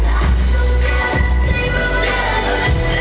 สวัสดีครับ